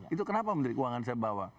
itu kenapa menteri keuangan saya bawa